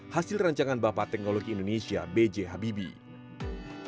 hasil rancangan bapak teknologi indonesia b j habibie